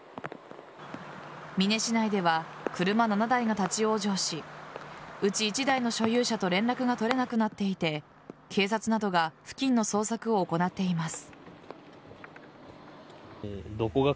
美祢市内では車７台が立ち往生しうち１台の所有者と連絡が取れなくなっていて警察などが付近の捜索を行っています。